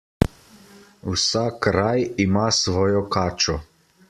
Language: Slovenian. Vsak raj ima svojo kačo.